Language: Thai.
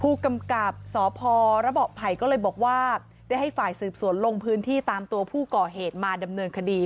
ผู้กำกับสพระเบาะไผ่ก็เลยบอกว่าได้ให้ฝ่ายสืบสวนลงพื้นที่ตามตัวผู้ก่อเหตุมาดำเนินคดี